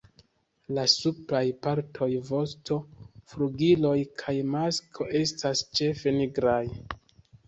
La supraj partoj, vosto, flugiloj kaj masko estas ĉefe nigraj.